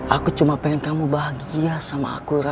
aku cuma pengen kamu bahagia sama aku